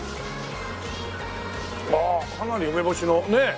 ああかなり梅干しのねえ？